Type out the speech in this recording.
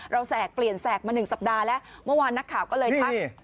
แสกเปลี่ยนแสกมา๑สัปดาห์แล้วเมื่อวานนักข่าวก็เลยทัก